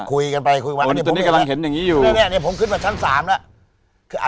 คุยกันไปคุยกันมา